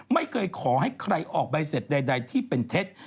ไม่เคยขอให้ใครออกใบเสร็จใดที่เป็นเท็จ